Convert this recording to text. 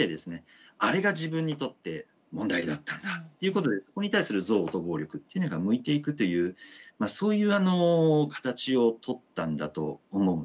あれが自分にとって問題だったんだっていうことでここに対する憎悪と暴力っていうのが向いていくというそういう形をとったんだと思うんですね。